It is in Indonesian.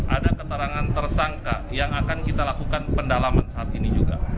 ada keterangan tersangka yang akan kita lakukan pendalaman saat ini juga